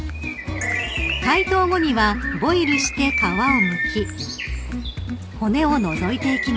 ［解凍後にはボイルして皮をむき骨を除いていきます］